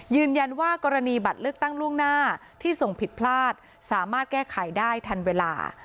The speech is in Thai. กรณีบัตรเลือกตั้งล่วงหน้าที่ส่งผิดพลาดสามารถแก้ไขได้ทันเวลา